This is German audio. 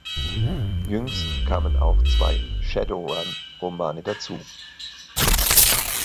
Jüngst kamen auch zwei Shadowrun-Romane dazu.